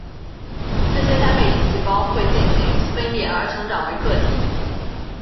这些单倍体细胞会进行有丝分裂而成长为个体。